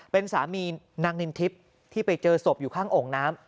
เป็นสามีนางนินทิพย์ที่ไปเจอศพอยู่ข้างโอ่งน้ำ